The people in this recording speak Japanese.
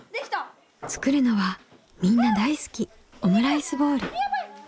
作るのはみんな大好きオムライスボール。